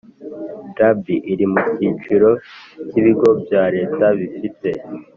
Rab iri mu cyiciro cy ibigo bya leta bifite